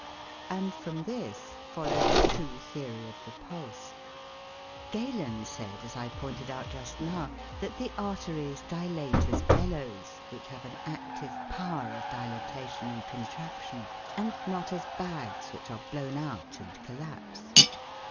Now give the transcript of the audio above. And from this followed the true theory of the pulse. Galen said, as I pointed out just now, that the arteries dilate as bellows, which have an active power of dilatation and contraction, and not as bags which are blown out and collapse.